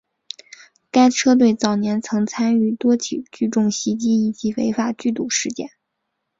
该车队早年曾参与多起聚众袭击以及违法聚赌事件。